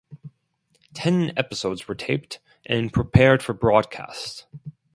Ten episodes were taped, and prepared for broadcast.